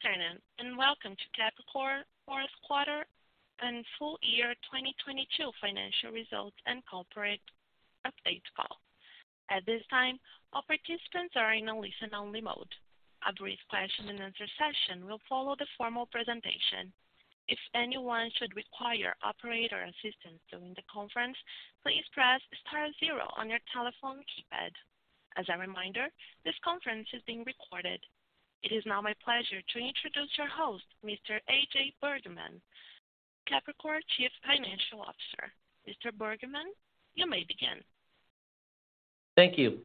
Good afternoon, welcome to Capricor Fourth Quarter and Full Year 2022 Financial Results and Corporate Update Call. At this time, all participants are in a listen-only mode. A brief question and answer session will follow the formal presentation. If anyone should require operator assistance during the conference, please press star zero on your telephone keypad. As a reminder, this conference is being recorded. It is now my pleasure to introduce your host, Mr. AJ Bergmann, Capricor Chief Financial Officer. Mr. Bergmann, you may begin. Thank you,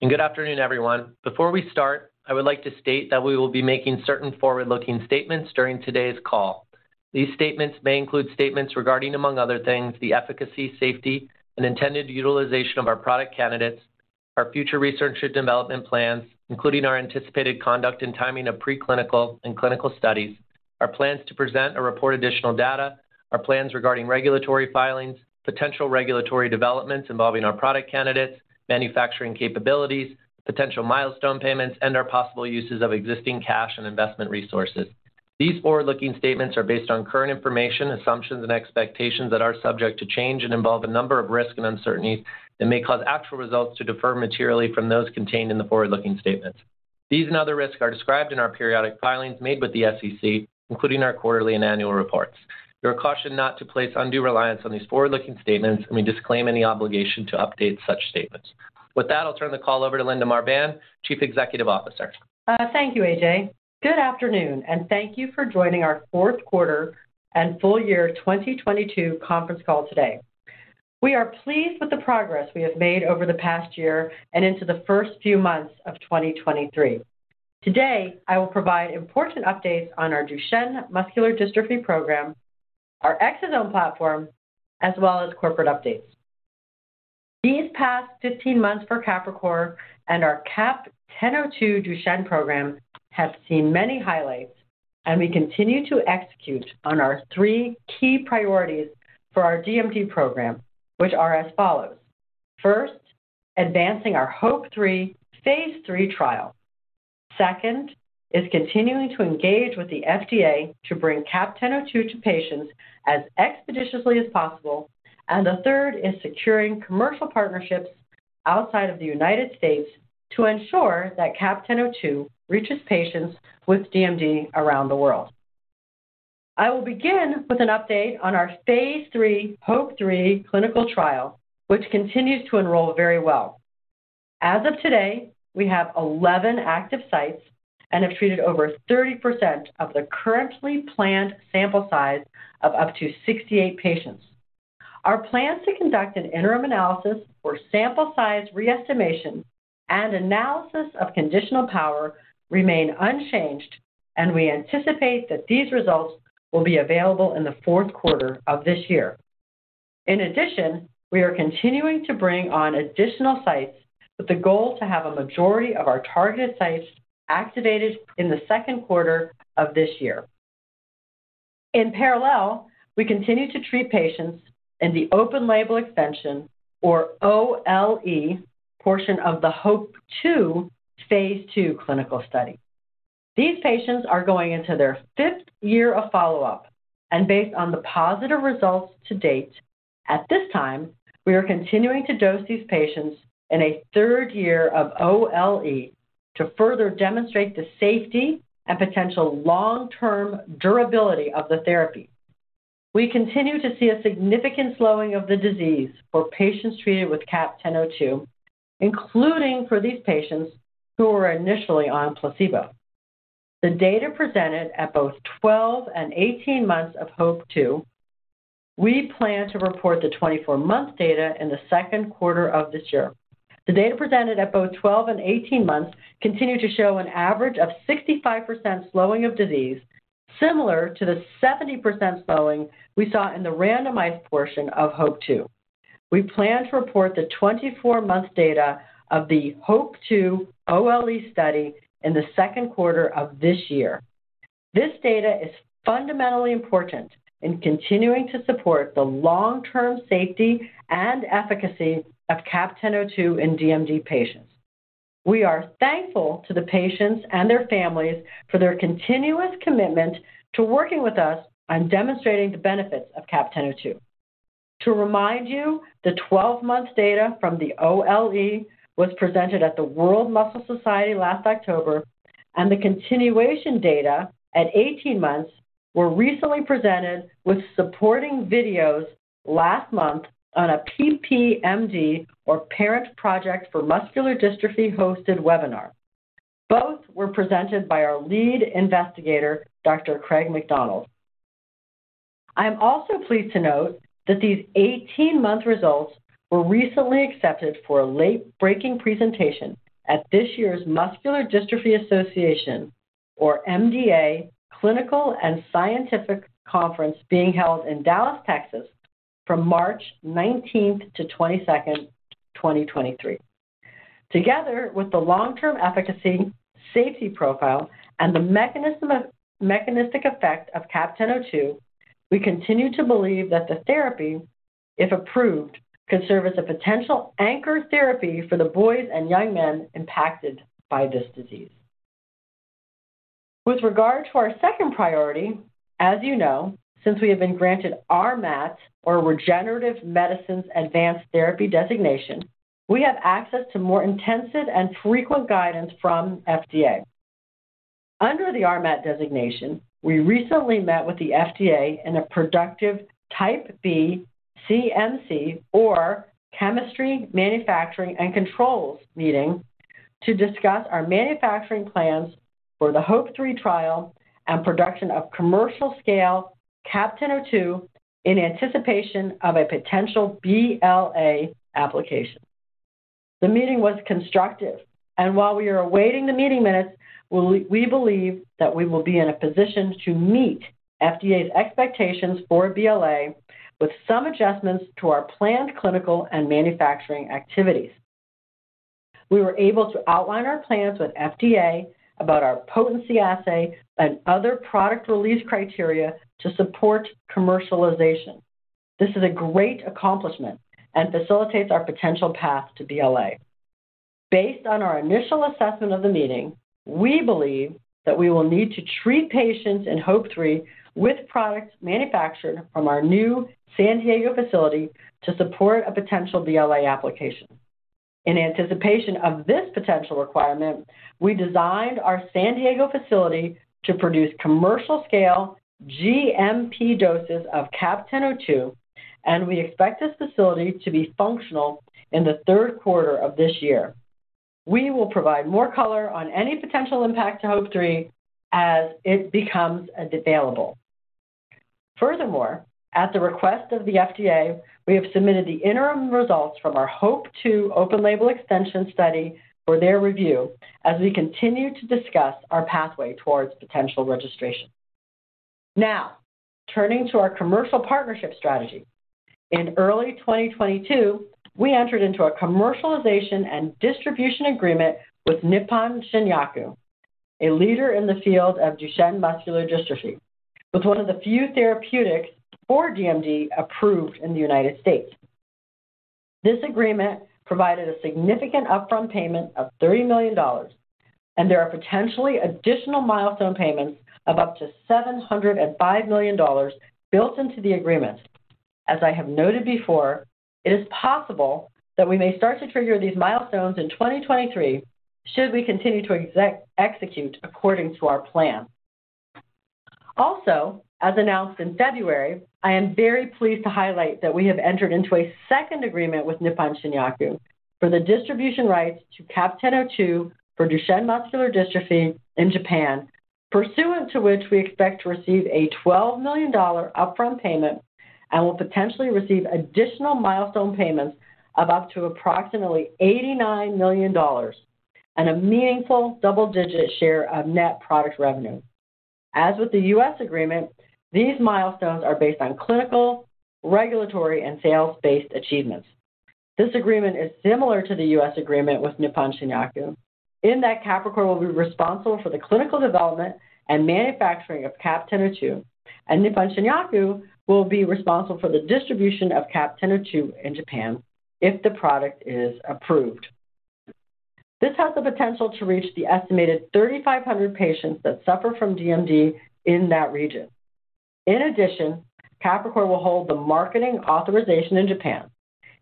and good afternoon, everyone. Before we start, I would like to state that we will be making certain forward-looking statements during today's call. These statements may include statements regarding, among other things, the efficacy, safety, and intended utilization of our product candidates, our future research and development plans, including our anticipated conduct and timing of pre-clinical and clinical studies, our plans to present or report additional data, our plans regarding regulatory filings, potential regulatory developments involving our product candidates, manufacturing capabilities, potential milestone payments, and our possible uses of existing cash and investment resources. These forward-looking statements are based on current information, assumptions, and expectations that are subject to change and involve a number of risks and uncertainties that may cause actual results to differ materially from those contained in the forward-looking statements. These and other risks are described in our periodic filings made with the SEC, including our quarterly and annual reports. You are cautioned not to place undue reliance on these forward-looking statements. We disclaim any obligation to update such statements. With that, I'll turn the call over to Linda Marbán, Chief Executive Officer. Thank you, AJ. Good afternoon, and thank you for joining our fourth quarter and full year 2022 conference call today. We are pleased with the progress we have made over the past year and into the first few months of 2023. Today, I will provide important updates on our Duchenne muscular dystrophy program, our exosome platform, as well as corporate updates. These past 15 months for Capricor and our CAP-1002 Duchenne program have seen many highlights, and we continue to execute on our 3 key priorities for our DMD program, which are as follows. First, advancing our HOPE-3 Phase 3 trials. Second is continuing to engage with the FDA to bring CAP-1002 to patients as expeditiously as possible. The third is securing commercial partnerships outside of the United States to ensure that CAP-1002 reaches patients with DMD around the world. I will begin with an update on our Phase 3 HOPE-3 clinical trial, which continues to enroll very well. As of today, we have 11 active sites and have treated over 30% of the currently planned sample size of up to 68 patients. Our plan to conduct an interim analysis for sample size re-estimation and analysis of conditional power remain unchanged. We anticipate that these results will be available in the fourth quarter of this year. In addition, we are continuing to bring on additional sites with the goal to have a majority of our targeted sites activated in the second quarter of this year. In parallel, we continue to treat patients in the open label extension or OLE portion of the HOPE-2 Phase 2 clinical study. These patients are going into their 5th year of follow-up and based on the positive results to date, at this time, we are continuing to dose these patients in a 3rd year of OLE to further demonstrate the safety and potential long-term durability of the therapy. We continue to see a significant slowing of the disease for patients treated with CAP-1002, including for these patients who were initially on placebo. The data presented at both 12 and 18 months of HOPE-2, we plan to report the 24-month data in the second quarter of this year. The data presented at both 12 and 18 months continue to show an average of 65% slowing of disease, similar to the 70% slowing we saw in the randomized portion of HOPE-2. We plan to report the 24-month data of the HOPE-2 OLE study in the second quarter of this year. This data is fundamentally important in continuing to support the long-term safety and efficacy of CAP-1002 in DMD patients. We are thankful to the patients and their families for their continuous commitment to working with us on demonstrating the benefits of CAP-1002. To remind you, the 12-month data from the OLE was presented at the World Muscle Society last October, and the continuation data at 18 months were recently presented with supporting videos last month on a PPMD or Parent Project for Muscular Dystrophy-hosted webinar. Both were presented by our lead investigator, Dr. Craig McDonald. I'm also pleased to note that these 18-month results were recently accepted for a late-breaking presentation at this year's Muscular Dystrophy Association or MDA Clinical and Scientific Conference being held in Dallas, Texas from March 19th to 22nd, 2023. Together with the long-term efficacy safety profile and the mechanistic effect of CAP-1002, we continue to believe that the therapy if approved, could serve as a potential anchor therapy for the boys and young men impacted by this disease. With regard to our second priority, as you know, since we have been granted RMAT, or Regenerative Medicine Advanced Therapy designation, we have access to more intensive and frequent guidance from FDA. Under the RMAT designation, we recently met with the FDA in a productive type B CMC, or Chemistry, Manufacturing, and Controls meeting to discuss our manufacturing plans for the HOPE-3 trial and production of commercial scale CAP-1002 in anticipation of a potential BLA application. The meeting was constructive. While we are awaiting the meeting minutes, we believe that we will be in a position to meet FDA's expectations for BLA with some adjustments to our planned clinical and manufacturing activities. We were able to outline our plans with FDA about our potency assay and other product release criteria to support commercialization. This is a great accomplishment and facilitates our potential path to BLA. Based on our initial assessment of the meeting, we believe that we will need to treat patients in HOPE-3 with products manufactured from our new San Diego facility to support a potential BLA application. In anticipation of this potential requirement, we designed our San Diego facility to produce commercial scale GMP doses of CAP-1002, we expect this facility to be functional in the third quarter of this year. We will provide more color on any potential impact to HOPE-3 as it becomes available. At the request of the FDA, we have submitted the interim results from our HOPE-2 open-label extension study for their review as we continue to discuss our pathway towards potential registration. Turning to our commercial partnership strategy. In early 2022, we entered into a commercialization and distribution agreement with Nippon Shinyaku, a leader in the field of Duchenne muscular dystrophy, with one of the few therapeutics for DMD approved in the United States. This agreement provided a significant upfront payment of $30 million, and there are potentially additional milestone payments of up to $705 million built into the agreement. As I have noted before, it is possible that we may start to trigger these milestones in 2023 should we continue to execute according to our plan. As announced in February, I am very pleased to highlight that we have entered into a second agreement with Nippon Shinyaku for the distribution rights to CAP-1002 for Duchenne muscular dystrophy in Japan, pursuant to which we expect to receive a $12 million upfront payment and will potentially receive additional milestone payments of up to approximately $89 million and a meaningful double-digit share of net product revenue. As with the U.S. agreement, these milestones are based on clinical, regulatory, and sales-based achievements. This agreement is similar to the U.S. agreement with Nippon Shinyaku in that Capricor will be responsible for the clinical development and manufacturing of CAP-1002, and Nippon Shinyaku will be responsible for the distribution of CAP-1002 in Japan if the product is approved. This has the potential to reach the estimated 3,500 patients that suffer from DMD in that region. Capricor will hold the marketing authorization in Japan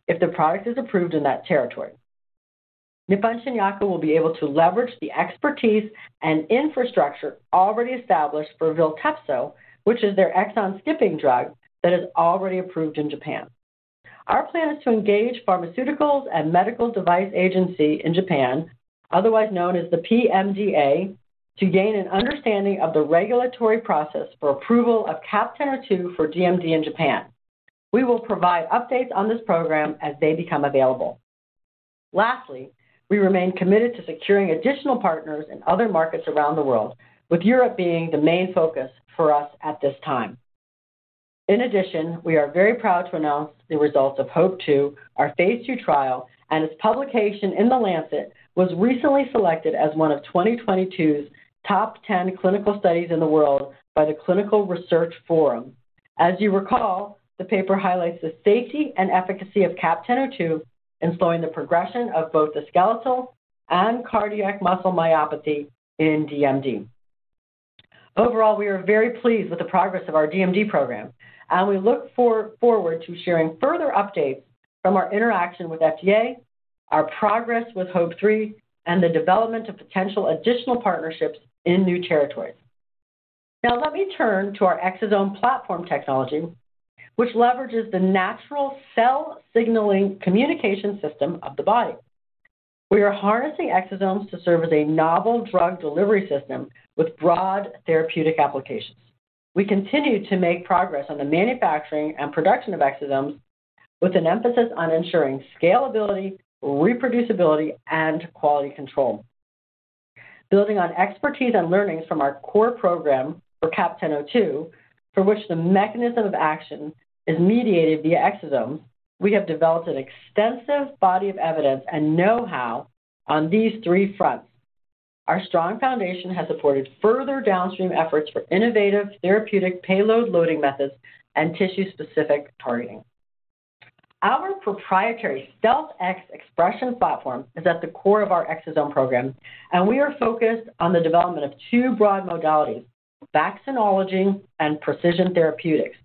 if the product is approved in that territory. Nippon Shinyaku will be able to leverage the expertise and infrastructure already established for VILTEPSO, which is their exon skipping drug that is already approved in Japan. Our plan is to engage Pharmaceuticals and Medical Devices Agency in Japan, otherwise known as the PMDA, to gain an understanding of the regulatory process for approval of CAP-1002 for DMD in Japan. We will provide updates on this program as they become available. We remain committed to securing additional partners in other markets around the world, with Europe being the main focus for us at this time. We are very proud to announce the results of HOPE-2, our Phase 2 trial, and its publication in The Lancet was recently selected as one of 2022's top 10 clinical studies in the world by the Clinical Research Forum. As you recall, the paper highlights the safety and efficacy of CAP-1002 in slowing the progression of both the skeletal and cardiac muscle myopathy in DMD. We are very pleased with the progress of our DMD program, and we look forward to sharing further updates from our interaction with FDA, our progress with HOPE-3, and the development of potential additional partnerships in new territories. Let me turn to our exosome platform technology, which leverages the natural cell signaling communication system of the body. We are harnessing exosomes to serve as a novel drug delivery system with broad therapeutic applications. We continue to make progress on the manufacturing and production of exosomes with an emphasis on ensuring scalability, reproducibility, and quality control. Building on expertise and learnings from our core program for CAP-1002, for which the mechanism of action is mediated via exosomes, we have developed an extensive body of evidence and know-how on these 3 fronts. Our strong foundation has supported further downstream efforts for innovative therapeutic payload loading methods and tissue-specific targeting. Our proprietary StealthX expression platform is at the core of our exosome program. We are focused on the development of 2 broad modalities, vaccinology and precision therapeutics.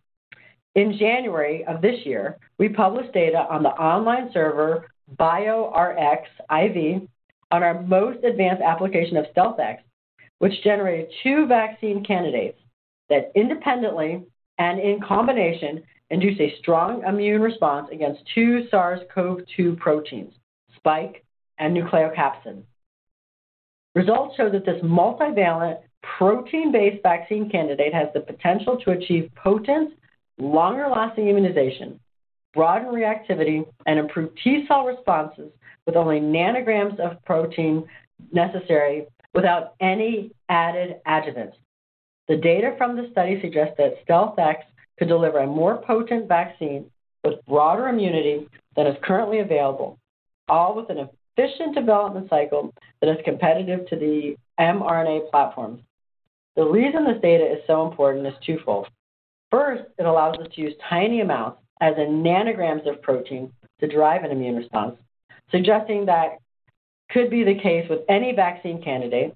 In January of this year, we published data on the online server bioRxiv on our most advanced application of StealthX, which generated 2 vaccine candidates that independently and in combination induce a strong immune response against 2 SARS-CoV-2 proteins, spike and nucleocapsid. Results show that this multivalent protein-based vaccine candidate has the potential to achieve potent, longer-lasting immunization, broaden reactivity, and improve T cell responses with only nanograms of protein necessary without any added adjuvant. The data from the study suggests that StealthX could deliver a more potent vaccine with broader immunity than is currently available, all with an efficient development cycle that is competitive to the mRNA platform. The reason this data is so important is twofold. First, it allows us to use tiny amounts, as in nanograms of protein, to drive an immune response, suggesting that could be the case with any vaccine candidate.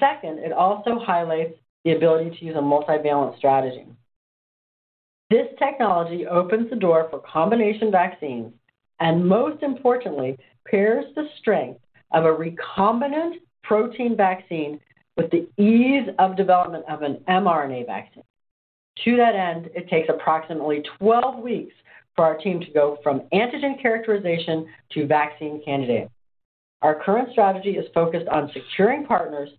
Second, it also highlights the ability to use a multivalent strategy. This technology opens the door for combination vaccines and most importantly, pairs the strength of a recombinant protein vaccine with the ease of development of an mRNA vaccine. To that end, it takes approximately 12 weeks for our team to go from antigen characterization to vaccine candidate. Our current strategy is focused on securing partners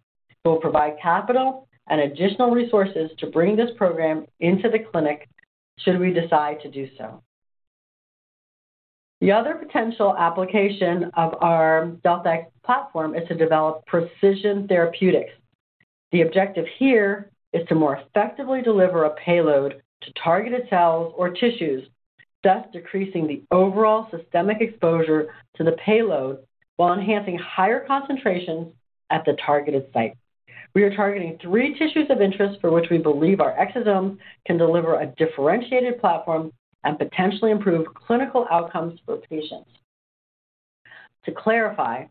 who will provide capital and additional resources to bring this program into the clinic, should we decide to do so. The other potential application of our StealthX platform is to develop precision therapeutics. The objective here is to more effectively deliver a payload to targeted cells or tissues, thus decreasing the overall systemic exposure to the payload while enhancing higher concentrations at the targeted site. We are targeting three tissues of interest for which we believe our exosome can deliver a differentiated platform and potentially improve clinical outcomes for patients. To clarify,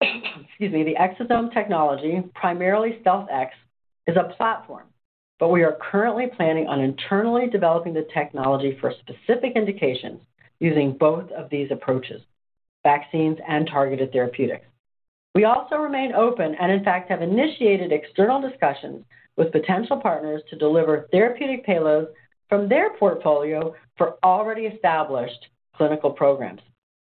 excuse me, the exosome technology, primarily StealthX, is a platform. We are currently planning on internally developing the technology for specific indications using both of these approaches, vaccines and targeted therapeutics. We also remain open and in fact, have initiated external discussions with potential partners to deliver therapeutic payloads from their portfolio for already established clinical programs.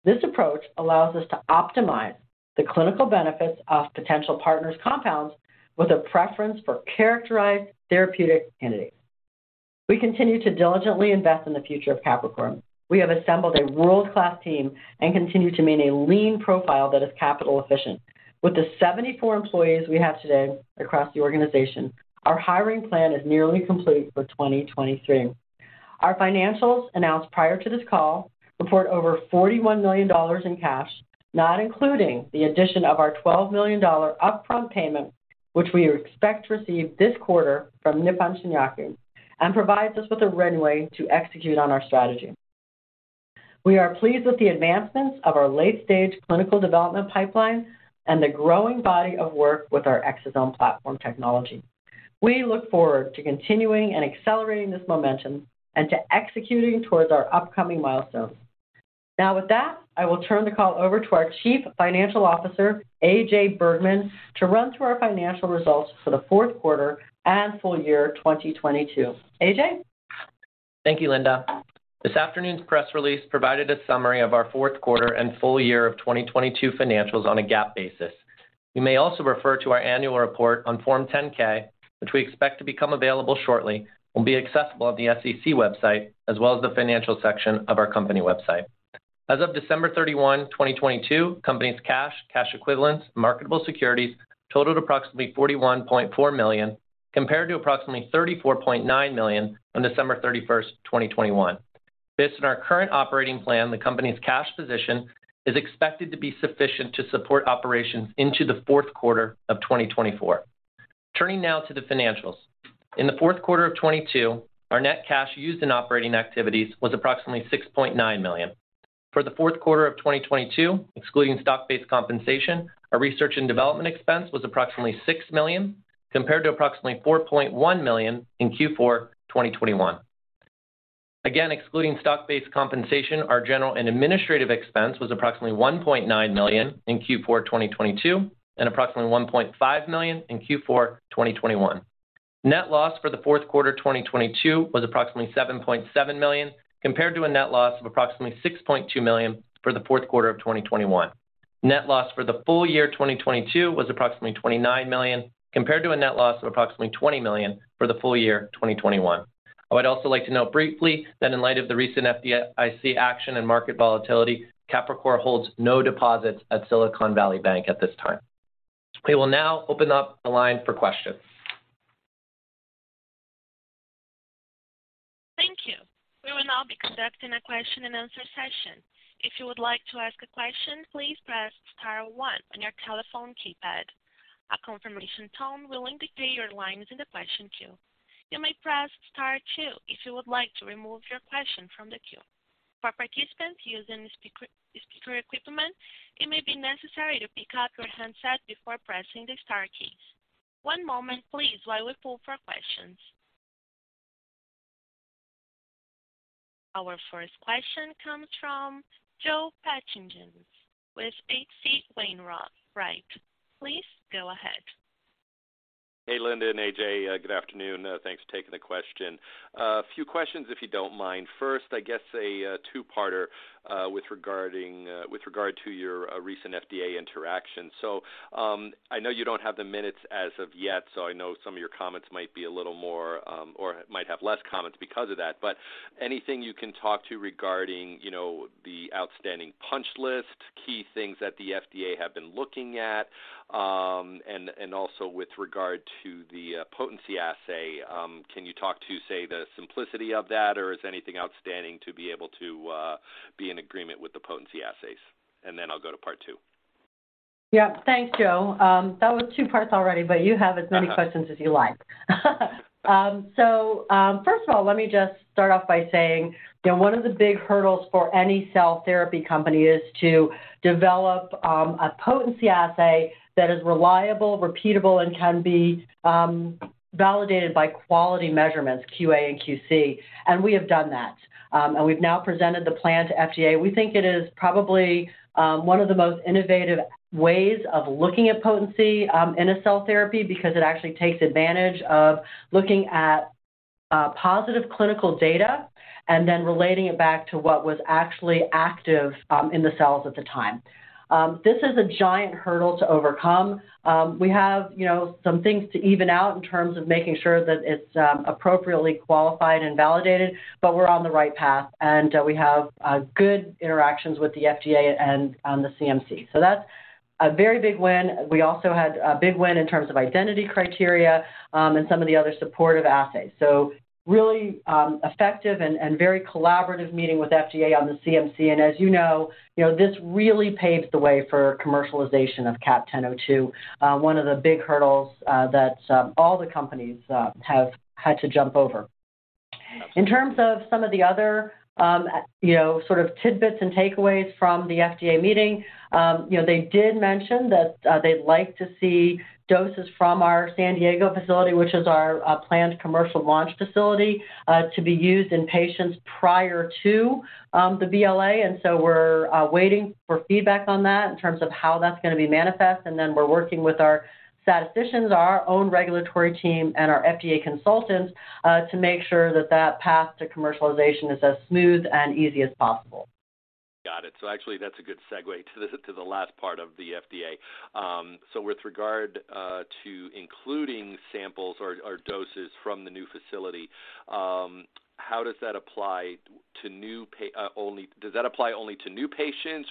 This approach allows us to optimize the clinical benefits of potential partners' compounds with a preference for characterized therapeutic candidates. We continue to diligently invest in the future of Capricor. We have assembled a world-class team and continue to maintain a lean profile that is capital efficient. With the 74 employees we have today across the organization, our hiring plan is nearly complete for 2023. Our financials announced prior to this call report over $41 million in cash, not including the addition of our $12 million upfront payment, which we expect to receive this quarter from Nippon Shinyaku, and provides us with a runway to execute on our strategy. We are pleased with the advancements of our late-stage clinical development pipeline and the growing body of work with our exosome platform technology. We look forward to continuing and accelerating this momentum and to executing towards our upcoming milestones. Now, with that, I will turn the call over to our Chief Financial Officer, AJ Bergmann, to run through our financial results for the fourth quarter and full year 2022. AJ? Thank you, Linda. This afternoon's press release provided a summary of our fourth quarter and full year of 2022 financials on a GAAP basis. You may also refer to our annual report on Form 10-K, which we expect to become available shortly, will be accessible on the SEC website as well as the financial section of our company website. As of December 31, 2022, company's cash equivalents, marketable securities totaled approximately $41.4 million, compared to approximately $34.9 million on December 31, 2021. Based on our current operating plan, the company's cash position is expected to be sufficient to support operations into the fourth quarter of 2024. Turning now to the financials. In the fourth quarter of 2022, our net cash used in operating activities was approximately $6.9 million. For the fourth quarter of 2022, excluding stock-based compensation, our research and development expense was approximately $6 million, compared to approximately $4.1 million in Q4 2021. Excluding stock-based compensation, our general and administrative expense was approximately $1.9 million in Q4 2022 and approximately $1.5 million in Q4 2021. Net loss for the fourth quarter 2022 was approximately $7.7 million, compared to a net loss of approximately $6.2 million for the fourth quarter of 2021. Net loss for the full year 2022 was approximately $29 million, compared to a net loss of approximately $20 million for the full year 2021. I would also like to note briefly that in light of the recent FDIC action and market volatility, Capricor holds no deposits at Silicon Valley Bank at this time. We will now open up the line for questions. Conducting a question and answer session. If you would like to ask a question, please press star one on your telephone keypad. A confirmation tone will indicate your line is in the question queue. You may press star two if you would like to remove your question from the queue. For participants using speaker equipment, it may be necessary to pick up your handset before pressing the star keys. One moment please while we pull for questions. Our first question comes from Joe Pantginis with H.C. Wainwright. Please go ahead. Hey, Linda and AJ. Good afternoon. Thanks for taking the question. A few questions if you don't mind. First, I guess a 2-parter, with regard to your recent FDA interaction. I know you don't have the minutes as of yet, so I know some of your comments might be a little more, or might have less comments because of that. Anything you can talk to regarding, you know, the outstanding punch list, key things that the FDA have been looking at, and also with regard to the potency assay, can you talk to, say, the simplicity of that, or is anything outstanding to be able to be in agreement with the potency assays? I'll go to part 2. Yeah. Thanks, Joe. That was 2 parts already, you have as many questions as you like. First of all, let me just start off by saying, you know, one of the big hurdles for any cell therapy company is to develop a potency assay that is reliable, repeatable, and can be validated by quality measurements, QA and QC. We have done that. We've now presented the plan to FDA. We think it is probably one of the most innovative ways of looking at potency in a cell therapy because it actually takes advantage of looking at positive clinical data and then relating it back to what was actually active in the cells at the time. This is a giant hurdle to overcome. We have, you know, some things to even out in terms of making sure that it's appropriately qualified and validated, but we're on the right path, and we have good interactions with the FDA and the CMC. That's a very big win. We also had a big win in terms of identity criteria, and some of the other supportive assays. Really, effective and very collaborative meeting with FDA on the CMC. As you know, you know, this really paves the way for commercialization of CAP-1002, one of the big hurdles that all the companies have had to jump over. In terms of some of the other, you know, sort of tidbits and takeaways from the FDA meeting, you know, they did mention that, they'd like to see doses from our San Diego facility, which is our planned commercial launch facility, to be used in patients prior to, the BLA. So we're, waiting for feedback on that in terms of how that's gonna be manifest. Then we're working with our statisticians, our own regulatory team, and our FDA consultants, to make sure that that path to commercialization is as smooth and easy as possible. Got it. Actually, that's a good segue to the last part of the FDA. With regard to including samples or doses from the new facility, how does that apply to new patients,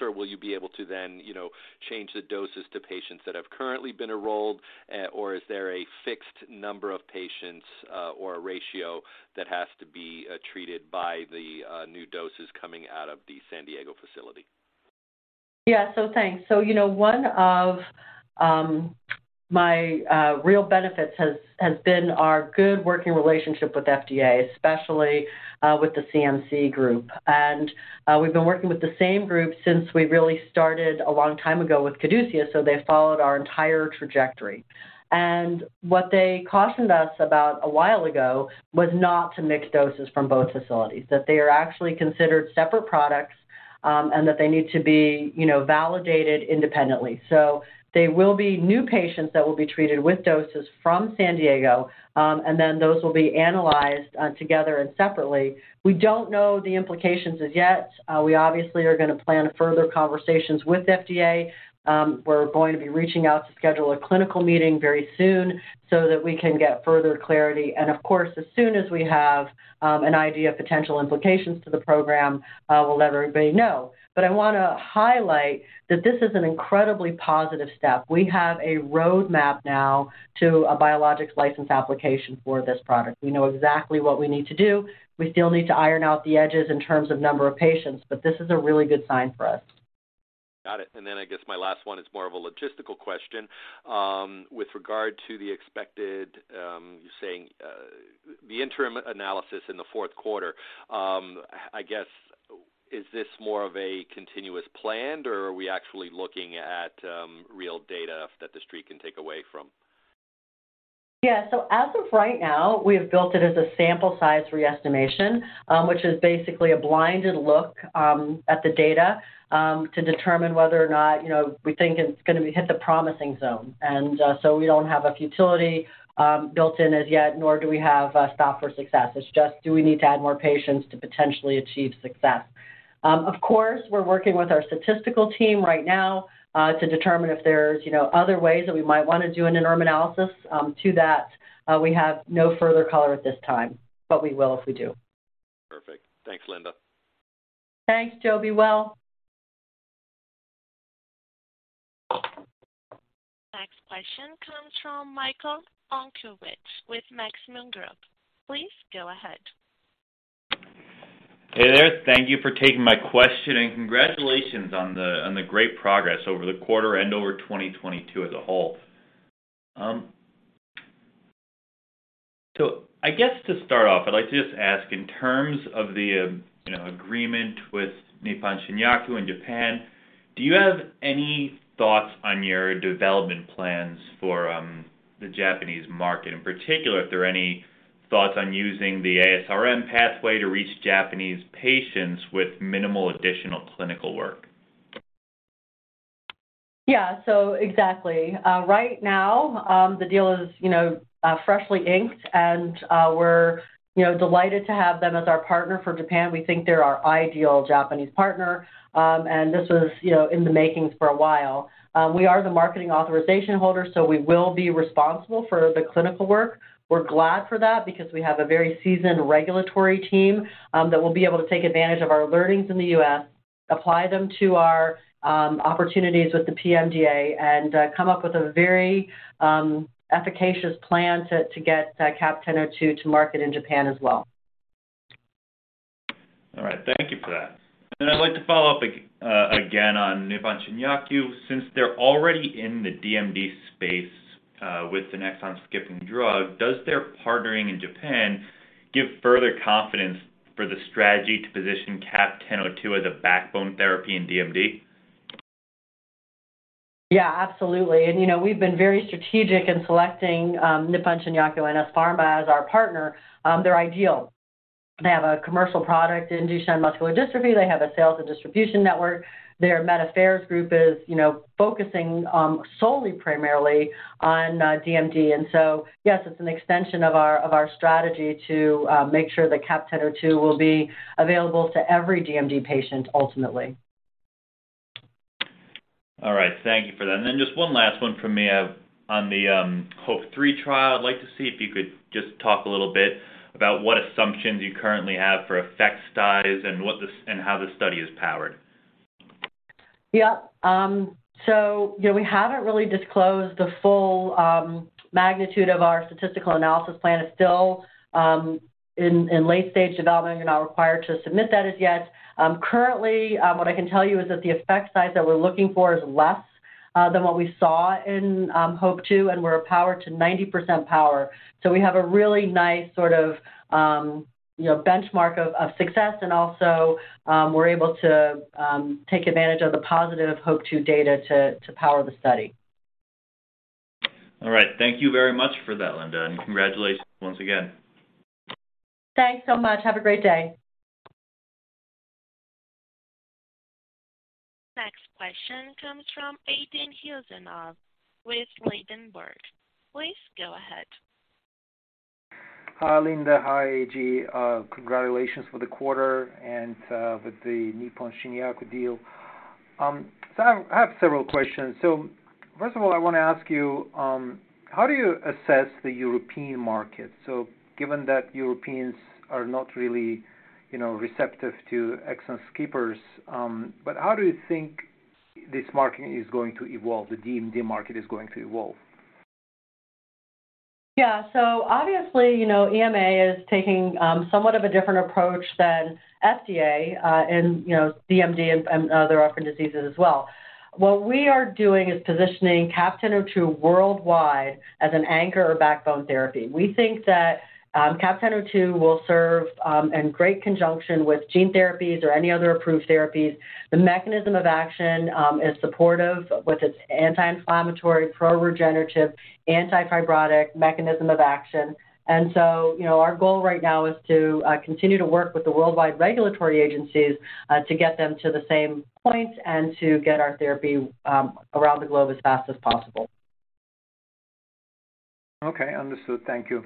or will you be able to then, you know, change the doses to patients that have currently been enrolled? Or is there a fixed number of patients or a ratio that has to be treated by the new doses coming out of the San Diego facility? Thanks. You know, one of my real benefits has been our good working relationship with FDA, especially with the CMC group. We've been working with the same group since we really started a long time ago with CADUCEUS, so they followed our entire trajectory. What they cautioned us about a while ago was not to mix doses from both facilities, that they are actually considered separate products, and that they need to be, you know, validated independently. There will be new patients that will be treated with doses from San Diego, and then those will be analyzed together and separately. We don't know the implications as yet. We obviously are gonna plan further conversations with FDA. We're going to be reaching out to schedule a clinical meeting very soon so that we can get further clarity. Of course, as soon as we have, an idea of potential implications to the program, we'll let everybody know. I wanna highlight that this is an incredibly positive step. We have a roadmap now to a Biologics License Application for this product. We know exactly what we need to do. We still need to iron out the edges in terms of number of patients, but this is a really good sign for us. Got it. My last one is more of a logistical question. With regard to the expected, you're saying, the interim analysis in the fourth quarter, is this more of a continuous plan, or are we actually looking at real data that the street can take away from? As of right now, we have built it as a sample size re-estimation, which is basically a blinded look, at the data, to determine whether or not, you know, we think it's gonna be hit the promising zone. We don't have a futility, built in as yet, nor do we have a stop for success. It's just do we need to add more patients to potentially achieve success? Of course, we're working with our statistical team right now, to determine if there's, you know, other ways that we might wanna do an interim analysis. To that, we have no further color at this time, but we will if we do. Perfect. Thanks, Linda. Thanks, Joe. Be well. Next question come from Michael Okunewitch with Maxim Group, please go ahead. Hey there. Thank you for taking my question. Congratulations on the great progress over the quarter and over 2022 as a whole. I guess to start off, I'd like to just ask in terms of the, you know, agreement with Nippon Shinyaku in Japan, do you have any thoughts on your development plans for the Japanese market? In particular, are there any thoughts on using the ASRM pathway to reach Japanese patients with minimal additional clinical work? Exactly. Right now, the deal is, you know, freshly inked. We're, you know, delighted to have them as our partner for Japan. We think they're our ideal Japanese partner. This was, you know, in the making for a while. We are the marketing authorization holder. We will be responsible for the clinical work. We're glad for that because we have a very seasoned regulatory team that will be able to take advantage of our learnings in the U.S., apply them to our opportunities with the PMDA and come up with a very efficacious plan to get CAP-1002 to market in Japan as well. All right. Thank you for that. I'd like to follow up again on Nippon Shinyaku. Since they're already in the DMD space, with an exon-skipping drug, does their partnering in Japan give further confidence for the strategy to position CAP-1002 as a backbone therapy in DMD? Yeah, absolutely. You know, we've been very strategic in selecting Nippon Shinyaku NS Pharma as our partner. They're ideal. They have a commercial product in Duchenne muscular dystrophy. They have a sales and distribution network. Their Medical Affairs group is, you know, focusing solely primarily on DMD. Yes, it's an extension of our, of our strategy to make sure that CAP-1002 will be available to every DMD patient ultimately. All right. Thank you for that. Just one last one from me. On the HOPE-3 trial, I'd like to see if you could just talk a little bit about what assumptions you currently have for effect size and how the study is powered? Yeah. You know, we haven't really disclosed the full magnitude of our statistical analysis plan. It's still in late-stage development. We're not required to submit that as yet. Currently, what I can tell you is that the effect size that we're looking for is less than what we saw in HOPE-2, and we're powered to 90% power. We have a really nice sort of, you know, benchmark of success, and also, we're able to take advantage of the positive HOPE-2 data to power the study. All right. Thank you very much for that, Linda, and congratulations once again. Thanks so much. Have a great day. Next question comes from Aydin Huseynov with Ladenburg. Please go ahead. Hi, Linda. Hi, AJ. congratulations for the quarter and with the Nippon Shinyaku deal. I have several questions. First of all, I wanna ask you, how do you assess the European market, given that Europeans are not really, you know, receptive to exon skippers, how do you think this market is going to evolve, the DMD market is going to evolve? Yeah. Obviously, you know, EMA is taking somewhat of a different approach than FDA, and, you know, DMD and other orphan diseases as well. What we are doing is positioning CAP-1002 worldwide as an anchor or backbone therapy. We think that CAP-1002 will serve in great conjunction with gene therapies or any other approved therapies. The mechanism of action is supportive with its anti-inflammatory, pro-regenerative, anti-fibrotic mechanism of action. You know, our goal right now is to continue to work with the worldwide regulatory agencies to get them to the same points and to get our therapy around the globe as fast as possible. Okay. Understood. Thank you.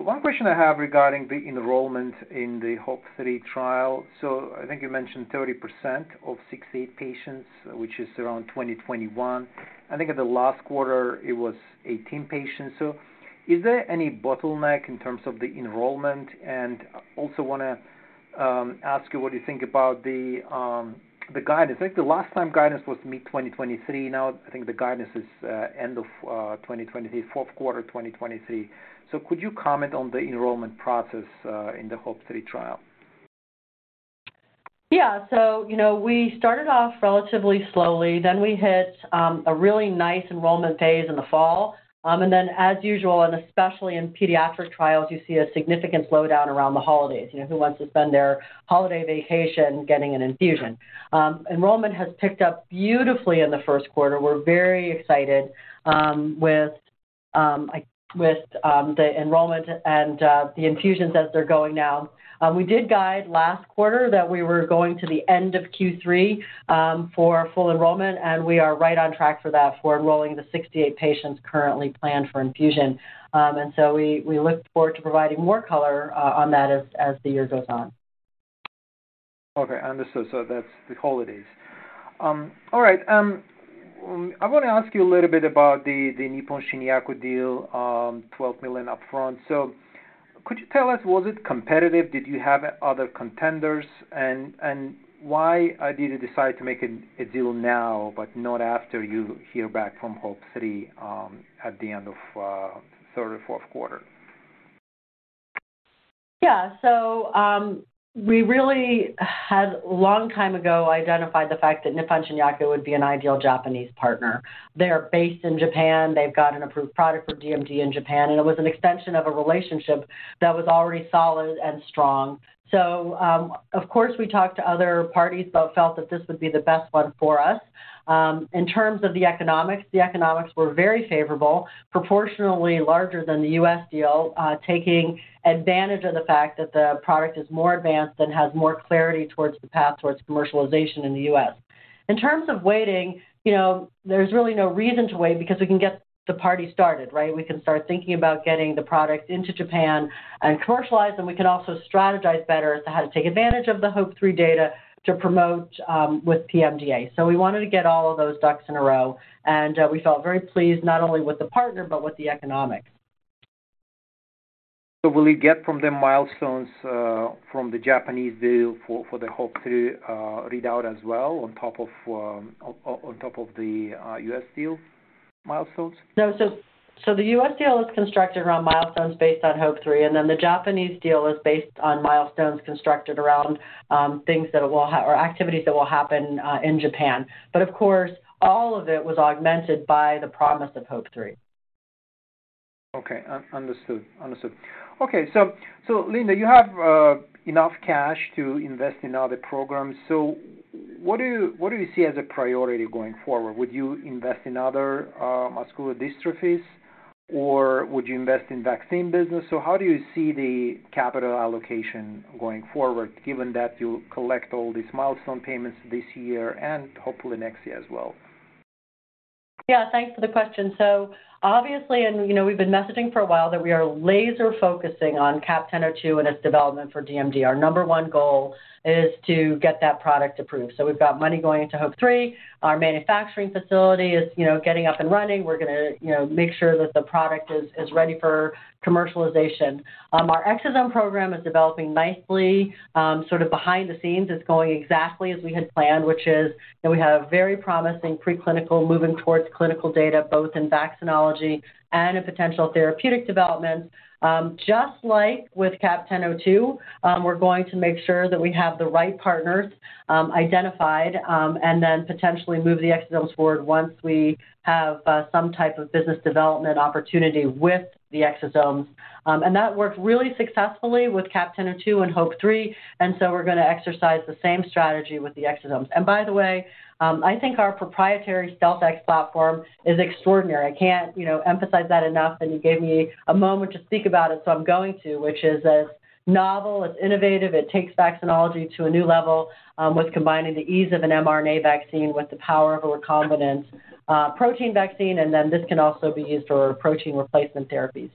One question I have regarding the enrollment in the HOPE-3 trial. I think you mentioned 30% of 68 patients, which is around 20, 21. I think at the last quarter it was 18 patients. Is there any bottleneck in terms of the enrollment? Also wanna ask you what you think about the guidance. I think the last time guidance was mid-2023. Now I think the guidance is end of fourth quarter 2023. Could you comment on the enrollment process in the HOPE-3 trial? You know, we started off relatively slowly, then we hit a really nice enrollment phase in the fall. As usual, and especially in pediatric trials, you see a significant slowdown around the holidays. You know, who wants to spend their holiday vacation getting an infusion? Enrollment has picked up beautifully in the first quarter. We're very excited with the enrollment and the infusions as they're going now. We did guide last quarter that we were going to the end of Q3 for full enrollment, and we are right on track for that for enrolling the 68 patients currently planned for infusion. We look forward to providing more color on that as the year goes on. Okay. Understood. That's the holidays. All right. I wanna ask you a little bit about the Nippon Shinyaku deal, $12 million upfront. Could you tell us, was it competitive? Did you have other contenders? Why did you decide to make a deal now, but not after you hear back from HOPE-3, at the end of 3rd or 4th quarter? Yeah. So, we really had long time ago identified the fact that Nippon Shinyaku would be an ideal Japanese partner. They're based in Japan, they've got an approved product for DMD in Japan, and it was an extension of a relationship that was already solid and strong. Of course, we talked to other parties, but felt that this would be the best one for us. In terms of the economics, the economics were very favorable, proportionally larger than the U.S. deal, taking advantage of the fact that the product is more advanced and has more clarity towards the path towards commercialization in the U.S. In terms of waiting, you know, there's really no reason to wait because we can get the party started, right? We can start thinking about getting the product into Japan and commercialize, and we can also strategize better how to take advantage of the HOPE-3 data to promote with PMDA. We wanted to get all of those ducks in a row, and we felt very pleased, not only with the partner but with the economics. Will you get from the milestones, from the Japanese deal for the HOPE-3 readout as well on top of the U.S. deal milestones? The U.S. deal is constructed around milestones based on HOPE-3. The Japanese deal is based on milestones constructed around things or activities that will happen in Japan. Of course, all of it was augmented by the promise of HOPE-3. Okay. Understood. Okay. Linda Marbán, you have enough cash to invest in other programs. What do you see as a priority going forward? Would you invest in other muscular dystrophies or would you invest in vaccine business? How do you see the capital allocation going forward, given that you collect all these milestone payments this year and hopefully next year as well? Yeah. Thanks for the question. Obviously, and you know, we've been messaging for a while that we are laser-focusing on CAP-1002 and its development for DMD. Our number 1 goal is to get that product approved. We've got money going into HOPE-3. Our manufacturing facility is, you know, getting up and running. We're gonna, you know, make sure that the product is ready for commercialization. Our exosome program is developing nicely. Sort of behind the scenes, it's going exactly as we had planned, which is that we have very promising preclinical moving towards clinical data, both in vaccinology and in potential therapeutic developments. Just like with CAP-1002, we're going to make sure that we have the right partners identified, and then potentially move the exosomes forward once we have some type of business development opportunity with the exosomes. That worked really successfully with CAP-1002 and HOPE-3, we're gonna exercise the same strategy with the exosomes. By the way, I think our proprietary StealthX platform is extraordinary. I can't, you know, emphasize that enough, and you gave me a moment to think about it, so I'm going to, which is as novel, as innovative. It takes vaccinology to a new level, with combining the ease of an mRNA vaccine with the power of a recombinant protein vaccine. This can also be used for protein replacement therapy.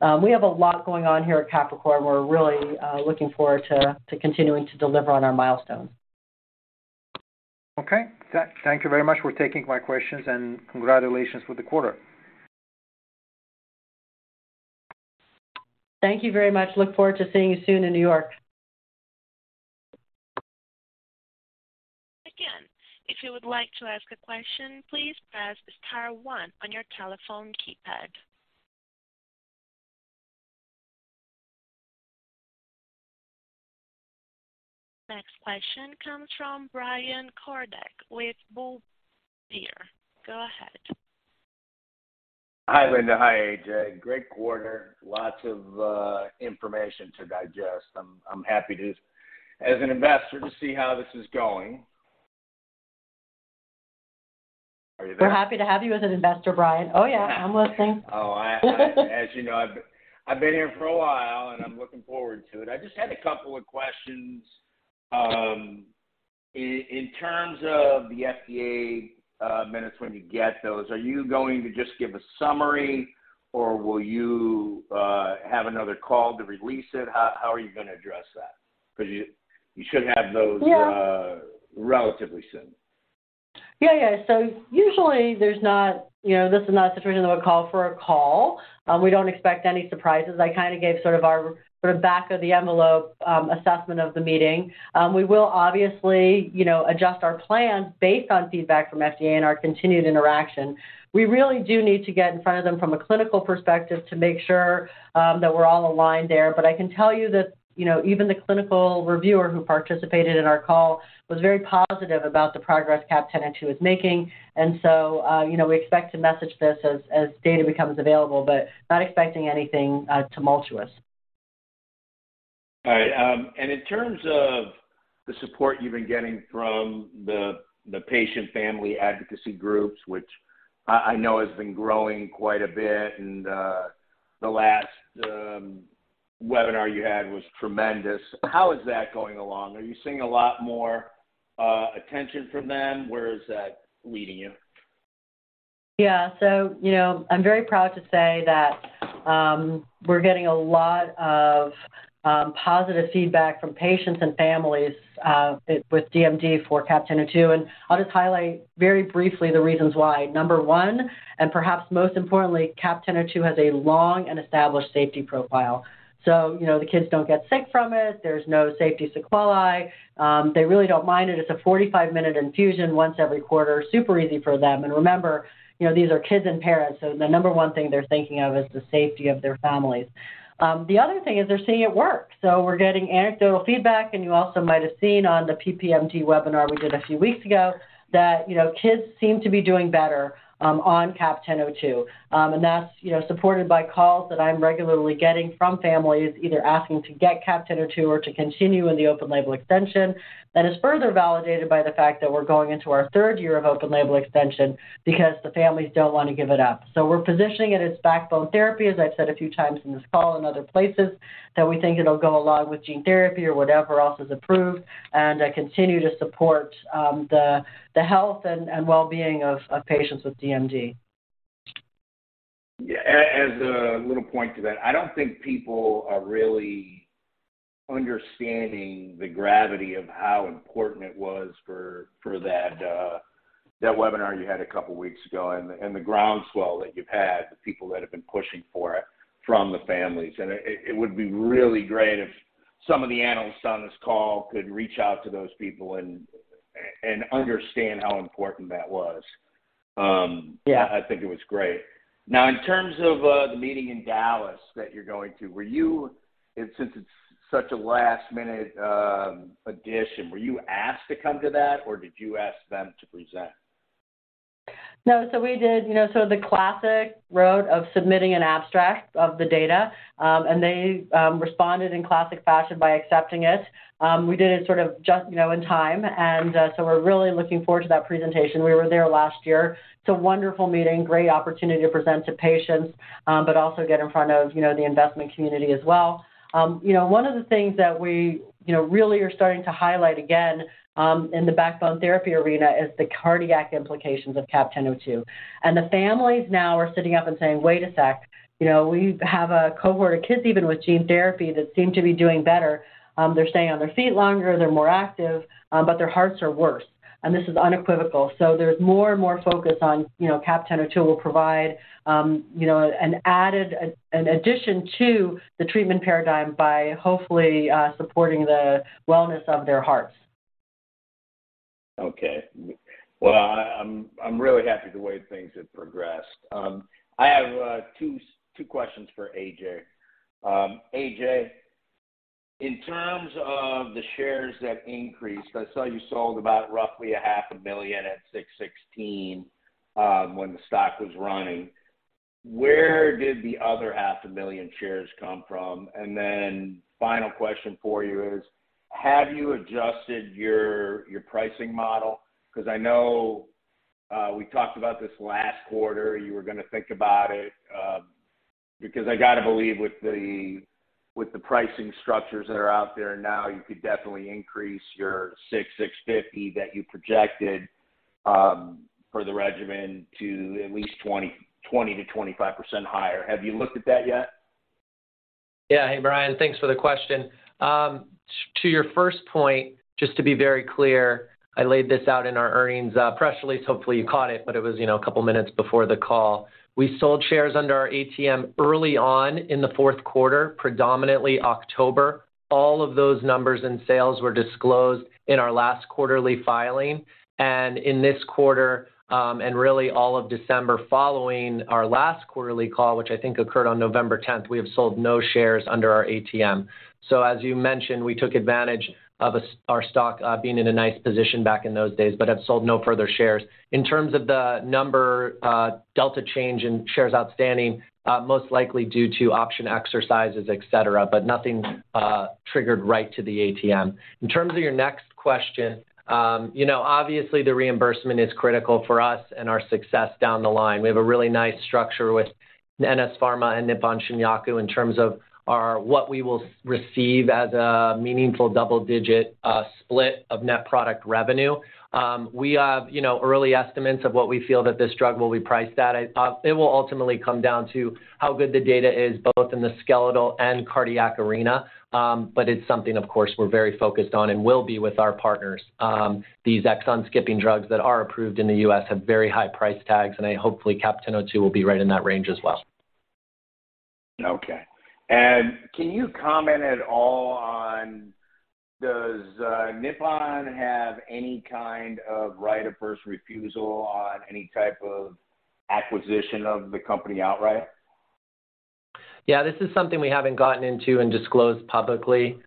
We have a lot going on here at Capricor. We're really looking forward to continuing to deliver on our milestones. Okay. Thank you very much for taking my questions. Congratulations for the quarter. Thank you very much. Look forward to seeing you soon in New York. Again, if you would like to ask a question, please press star one on your telephone keypad. Next question comes from Brian Corday with Bull Bear. Go ahead. Hi, Linda. Hi, AJ. Great quarter. Lots of information to digest. I'm happy to, as an investor to see how this is going. Are you there? We're happy to have you as an investor, Brian. Oh, yeah, I'm listening. As you know, I've been here for a while, and I'm looking forward to it. I just had a couple of questions. In terms of the FDA minutes when you get those, are you going to just give a summary or will you have another call to release it? How are you gonna address that? You should have those. Yeah. Relatively soon. Yeah. Yeah. Usually there's not, you know, this is not a situation that would call for a call. We don't expect any surprises. I kinda gave sort of our sort of back of the envelope assessment of the meeting. We will obviously, you know, adjust our plans based on feedback from FDA and our continued interaction. We really do need to get in front of them from a clinical perspective to make sure that we're all aligned there. I can tell you that, you know, even the clinical reviewer who participated in our call was very positive about the progress CAP-1002 is making. You know, we expect to message this as data becomes available, but not expecting anything tumultuous. All right. In terms of the support you've been getting from the patient family advocacy groups, which I know has been growing quite a bit and the last webinar you had was tremendous. How is that going along? Are you seeing a lot more attention from them? Where is that leading you? Yeah. So, you know, I'm very proud to say that we're getting a lot of positive feedback from patients and families with DMD for CAP-1002. I'll just highlight very briefly the reasons why. Number one, and perhaps most importantly, CAP-1002 has a long and established safety profile. So, you know, the kids don't get sick from it, there's no safety sequelae, they really don't mind it. It's a 45-minute infusion once every quarter, super easy for them. Remember, you know, these are kids and parents, so the number one thing they're thinking of is the safety of their families. The other thing is they're seeing it work. We're getting anecdotal feedback, and you also might have seen on the PPMD webinar we did a few weeks ago that, you know, kids seem to be doing better on CAP-1002. And that's, you know, supported by calls that I'm regularly getting from families either asking to get CAP-1002 or to continue in the open-label extension. That is further validated by the fact that we're going into our third year of open-label extension because the families don't wanna give it up. We're positioning it as backbone therapy, as I've said a few times in this call and other places, that we think it'll go along with gene therapy or whatever else is approved, and continue to support the health and well-being of patients with DMD. Yeah. As a little point to that, I don't think people are really understanding the gravity of how important it was for that webinar you had a couple weeks ago and the groundswell that you've had, the people that have been pushing for it from the families. It, it would be really great if some of the analysts on this call could reach out to those people and understand how important that was. Yeah. I think it was great. In terms of the meeting in Dallas that you're going to, since it's such a last-minute addition, were you asked to come to that, or did you ask them to present? No. We did, you know, sort of the classic route of submitting an abstract of the data. They responded in classic fashion by accepting it. We did it sort of just, you know, in time. We're really looking forward to that presentation. We were there last year. It's a wonderful meeting, great opportunity to present to patients, but also get in front of, you know, the investment community as well. You know, one of the things that we, you know, really are starting to highlight again, in the backbone therapy arena is the cardiac implications of CAP-1002. The families now are sitting up and saying, "Wait a sec. You know, we have a cohort of kids even with gene therapy that seem to be doing better. They're staying on their feet longer, they're more active, but their hearts are worse." This is unequivocal. There's more and more focus on, you know, CAP-1002 will provide, you know, an addition to the treatment paradigm by hopefully, supporting the wellness of their hearts. Okay. I'm really happy the way things have progressed. I have two questions for AJ. AJ, in terms of the shares that increased, I saw you sold about roughly a half a million at $6.16 when the stock was running. Where did the other half a million shares come from? Final question for you is, have you adjusted your pricing model? 'Cause I know we talked about this last quarter, you were gonna think about it. I gotta believe with the pricing structures that are out there now, you could definitely increase your $6-$6.50 that you projected for the regimen to at least 20-25% higher. Have you looked at that yet? Hey, Brian Corday. Thanks for the question. To your first point, just to be very clear, I laid this out in our earnings press release, hopefully you caught it, but it was, you know, a couple minutes before the call. We sold shares under our ATM early on in the fourth quarter, predominantly October. All of those numbers and sales were disclosed in our last quarterly filing. In this quarter, and really all of December following our last quarterly call, which I think occurred on November 10th, we have sold no shares under our ATM. As you mentioned, we took advantage of our stock being in a nice position back in those days but have sold no further shares. In terms of the number, delta change in shares outstanding, most likely due to option exercises, et cetera, but nothing triggered right to the ATM. In terms of your next question, you know, obviously the reimbursement is critical for us and our success down the line. We have a really nice structure with NS Pharma and Nippon Shinyaku in terms of our, what we will receive as a meaningful double-digit split of net product revenue. We have, you know, early estimates of what we feel that this drug will be priced at. It, it will ultimately come down to how good the data is both in the skeletal and cardiac arena. It's something of course we're very focused on and will be with our partners. These exon skipping drugs that are approved in the U.S. have very high price tags, and hopefully CAP-1002 will be right in that range as well. Okay. Can you comment at all on, does, Nippon have any kind of right of first refusal on any type of acquisition of the company outright? Yeah. This is something we haven't gotten into and disclosed publicly.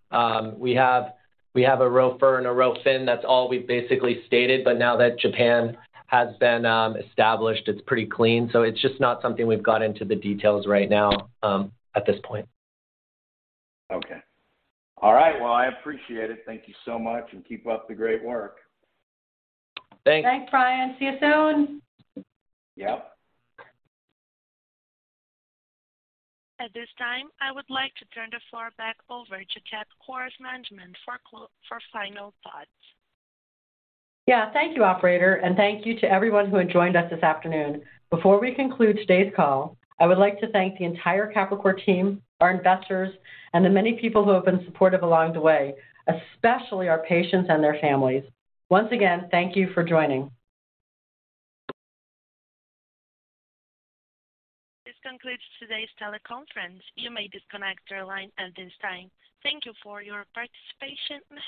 We have a ROFR and a ROFN. That's all we've basically stated. Now that Japan has been established, it's pretty clean, so it's just not something we've got into the details right now, at this point. Okay. All right. Well, I appreciate it. Thank you so much. Keep up the great work. Thanks. Thanks, Brian. See you soon. Yep. At this time, I would like to turn the floor back over to Capricor's management for final thoughts. Yeah. Thank you, operator, and thank you to everyone who had joined us this afternoon. Before we conclude today's call, I would like to thank the entire Capricor team, our investors, and the many people who have been supportive along the way, especially our patients and their families. Once again, thank you for joining. This concludes today's teleconference. You may disconnect your line at this time. Thank you for your participation.